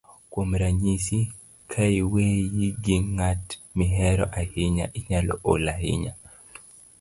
kuom ranyisi, ka iweyi gi ng'at mihero ahinya, inyalo ol ahinya